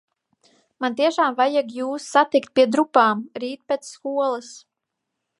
Man tiešām vajag jūs satikt pie drupām rīt pēc skolas.